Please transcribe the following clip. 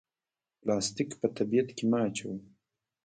پلاستیک په طبیعت کې مه اچوئ